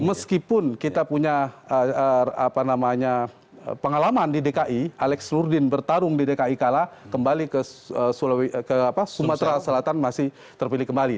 meskipun kita punya pengalaman di dki alex nurdin bertarung di dki kalah kembali ke sumatera selatan masih terpilih kembali